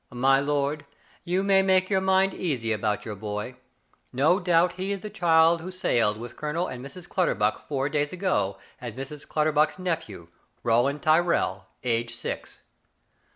My lord, you may make your mind easy about your boy. No doubt he is the child who sailed with Colonel and Mrs. Clutterbuck four days ago as Mrs. Clutterbuck's nephew, Roland Tyrrell, aged six."